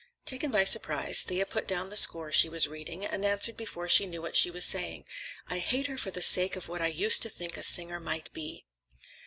Taken by surprise Thea put down the score she was reading and answered before she knew what she was saying, "I hate her for the sake of what I used to think a singer might be."